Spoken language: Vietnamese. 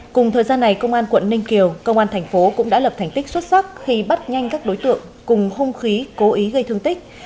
cùng thời gian này công an tp cần thơ cũng đã lập thành tích xuất sắc khi bắt nhanh các đối tượng cùng không khí cố ý gây thương tích